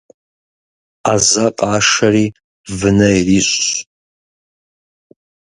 Ӏэзэ къашэри вынэ ирищӀщ.